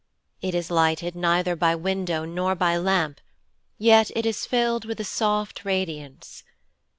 It is lighted neither by window nor by lamp, yet it is filled with a soft radiance.